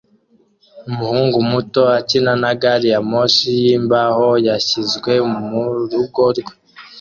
Umuhungu muto akina na gari ya moshi yimbaho yashyizwe murugo rwe